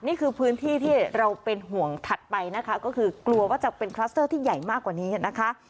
นี่คือพื้นที่ที่เราเป็นห่วงถัดไปนะคะก็คือกลัวว่าจะเป็นคลัสเตอร์ที่ใหญ่มากกว่านี้นะคะ